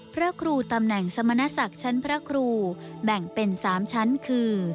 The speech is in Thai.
พระครูตำแหน่งสมณศักดิ์ชั้นพระครูแบ่งเป็น๓ชั้นคือ